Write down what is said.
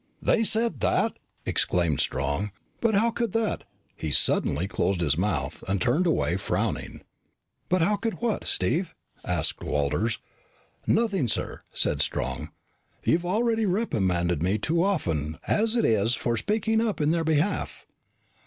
"They said that!" exclaimed Strong. "But how could that " He suddenly closed his mouth and turned away, frowning. "But how could what, Steve?" asked Walters. "Nothing, sir," said Strong. "You have already reprimanded me too often as it is for speaking up in their behalf."